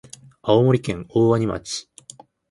青森県大鰐町